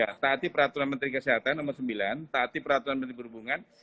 ya taati peraturan menteri kesehatan nomor sembilan taati peraturan menteri perhubungan